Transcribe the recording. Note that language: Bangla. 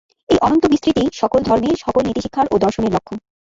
এই অনন্ত বিস্তৃতিই সকল ধর্মের, সকল নীতিশিক্ষার ও দর্শনের লক্ষ্য।